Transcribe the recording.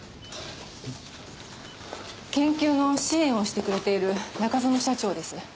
研究の支援をしてくれている中園社長です。